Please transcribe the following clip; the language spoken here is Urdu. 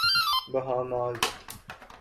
بہاماس